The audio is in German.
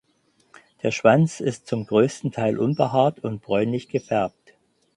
Der Schwanz ist zum größten Teil unbehaart und bräunlich gefärbt.